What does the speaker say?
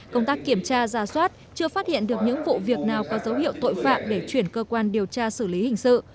công tác kiểm tra ra soát chưa phát hiện được những vụ việc nào có dấu hiệu tội phạm để chuyển cơ quan điều tra xử lý hình sự